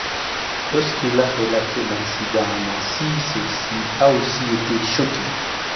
Lorsqu'elle a relaté l'incident à Nancy, celle-ci a aussi été choquée.